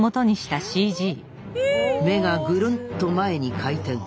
目がグルンと前に回転！